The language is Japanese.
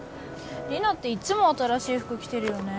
リナっていっつも新しい服着てるよね。